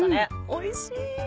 おいしい！